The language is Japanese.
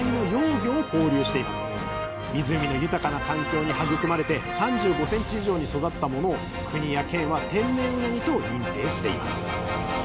湖の豊かな環境に育まれて３５ｃｍ以上に育ったものを国や県は「天然うなぎ」と認定しています。